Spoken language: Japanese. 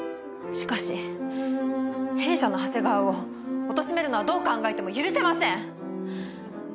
しかし弊社の長谷川をおとしめるのはどう考えても許せません。